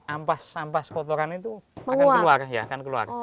ampas ampas kotoran itu akan keluar